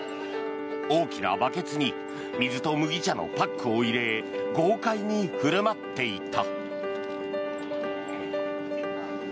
大きなバケツに水と麦茶のパックを入れ豪快に振る舞っていた。